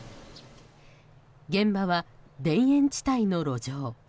現場は田園地帯の路上。